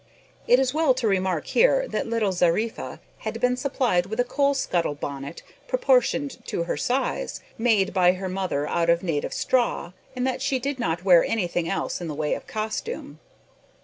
It is well to remark here that little Zariffa had been supplied with a coal scuttle bonnet proportioned to her size, made by her mother out of native straw, and that she did not wear anything else in the way of costume.